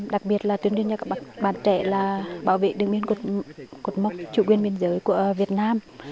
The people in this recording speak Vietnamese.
đặc biệt là tuyên truyền cho các bạn trẻ là bảo vệ đường biên cột mốc chủ quyền biên giới của việt nam